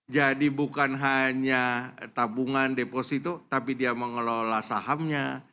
jadi bukan hanya tabungan deposito tapi dia mengelola sahamnya